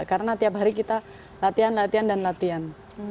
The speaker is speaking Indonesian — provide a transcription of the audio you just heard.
karena tiap hari kita latihan latihan dan latihan